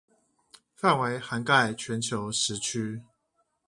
範圍涵蓋全球時區